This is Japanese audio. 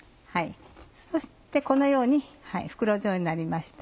そしてこのように袋状になりました。